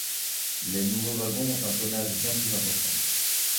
Les nouveaux wagons ont un tonnage bien plus importants.